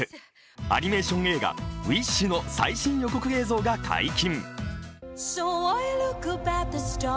アニメーション映画「ウィッシュ」の最新予告映像が解禁。